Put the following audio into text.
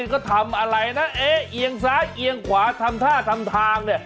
ก็ทำอะไรนะเอ๊ะเอียงซ้ายเอียงขวาทำท่าทำทางเนี่ย